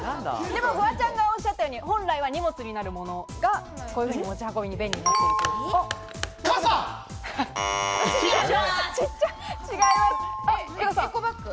でもフワちゃんがおっしゃったように、本来は荷物になるものが、こういうふうに持ち運びにエコバッグ。